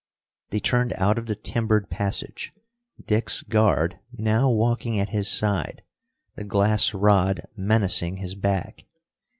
They turned out of the timbered passage, Dick's guard now walking at his side, the glass rod menacing his back.